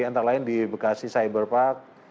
antara lain di bekasi cyber park